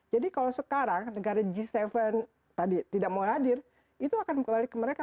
jadi kalau sekarang negara g tujuh tidak mau hadir itu akan kembali ke mereka